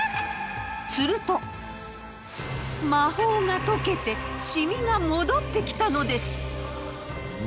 すると、魔法が解けてシミが戻ってきたのです。